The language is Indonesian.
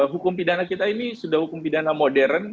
hukum pidana kita ini sudah hukum pidana modern